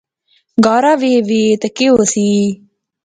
گارا وہے وی تے کہہ ہوسی